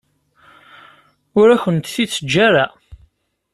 Ur akent-t-id-teǧǧa ara.